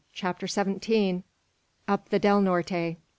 CHAPTER SEVENTEEN. UP THE DEL NORTE.